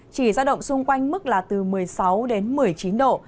chỉ ra động xung quanh mức là từ một mươi sáu đến một mươi chín độ